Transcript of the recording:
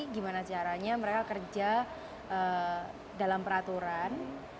gimana caranya mereka kerja dalam peraturan